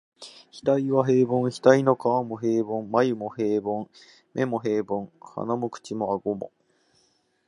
額は平凡、額の皺も平凡、眉も平凡、眼も平凡、鼻も口も顎も、